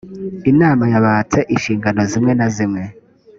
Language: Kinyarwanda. inama yabatse inshingano zimwe na zimwe